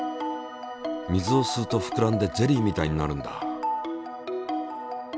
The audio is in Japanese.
水を吸うとふくらんでゼリーみたいになるんだ。